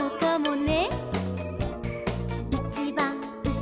「ね！」